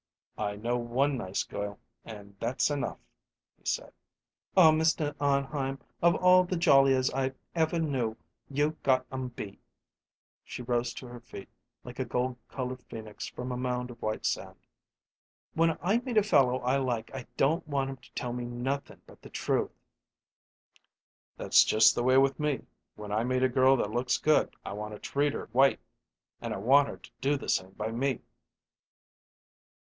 "I know one nice girl, and that's enough," he said. "Aw, Mr. Arnheim, of all the jolliers I ever knew you got 'em beat." She rose to her feet like a gold colored phoenix from a mound of white sand. "When I meet a fellow I like I don't want him to tell me nothin' but the truth." "That's just the way with me when I meet a girl that looks good I want to treat her white, and I want her to do the same by me."